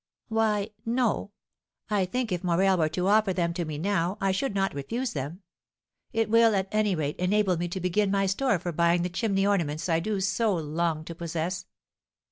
"Why, no; I think if Morel were to offer them to me now, I should not refuse them; it will, at any rate, enable me to begin my store for buying the chimney ornaments I do so long to possess.